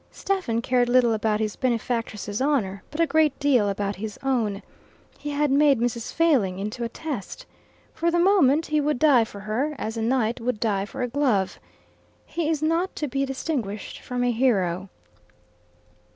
Stephen cared little about his benefactress's honour, but a great deal about his own. He had made Mrs. Failing into a test. For the moment he would die for her, as a knight would die for a glove. He is not to be distinguished from a hero.